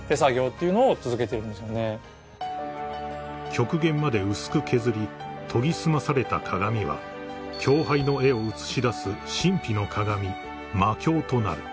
［極限まで薄く削り研ぎ澄まされた鏡は鏡背の絵を映し出す神秘の鏡魔鏡となる］